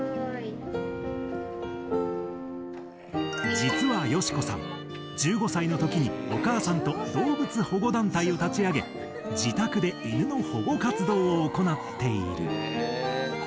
実はよしこさん１５歳のときにお母さんと動物保護団体を立ち上げ自宅で犬の保護活動を行っている。